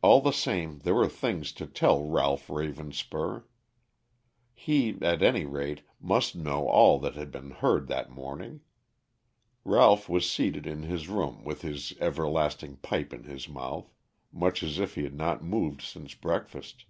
All the same there were things to tell Ralph Ravenspur. He, at any rate, must know all that had been heard that morning. Ralph was seated in his room with his everlasting pipe in his mouth, much as if he had not moved since breakfast.